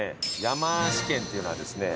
山梨県っていうのはですね